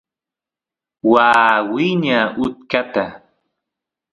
waa wiña utkata